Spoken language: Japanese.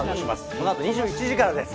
このあと２１時からです。